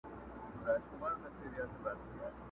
o څه چي کرې هغه به رېبې!